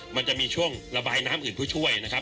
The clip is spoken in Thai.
มันจะมีช่วงระบายน้ำอื่นเพื่อช่วยนะครับ